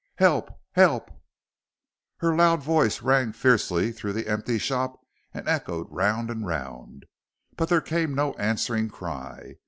"Help! Help!" Her loud voice rang fiercely through the empty shop and echoed round and round. But there came no answering cry.